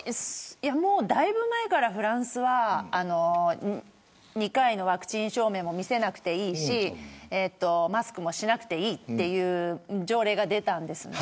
だいぶ前からフランスは２回のワクチン証明も見せなくていいしマスクもしなくていいという条例が出たんです。